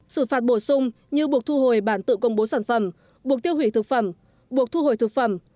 xử phạt bổ sung như buộc thu hồi bản tự công bố sản phẩm buộc tiêu hủy thực phẩm buộc thu hồi thực phẩm